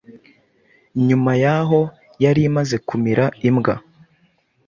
nyuma y’aho yari imaze kumira imbwa